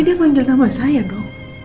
tadi dia manjel nama saya dok